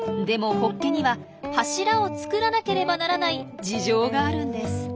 でもホッケには柱を作らなければならない事情があるんです。